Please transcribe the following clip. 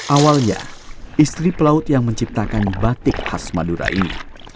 awalnya istri pelaut yang menciptakan batik khas madura ini